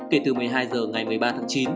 kể từ một mươi hai h ngày một mươi ba tháng chín